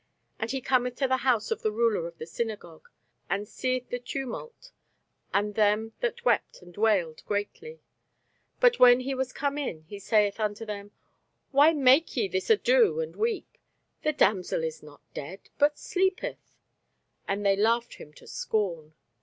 And he cometh to the house of the ruler of the synagogue, and seeth the tumult, and them that wept and wailed greatly. And when he was come in, he saith unto them, Why make ye this ado, and weep? the damsel is not dead, but sleepeth. And they laughed him to scorn.